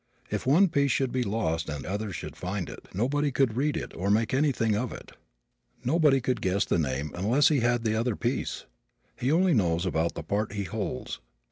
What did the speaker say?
If one piece should be lost and others should find it nobody could read it or make anything of it. Nobody could guess the name unless he had the other piece. He knows only about the part he holds.